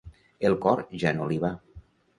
El cor ja no li va.